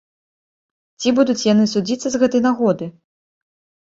Ці будуць яны судзіцца з гэтай нагоды?